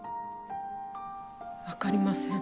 分かりません。